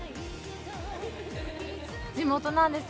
地元なんです。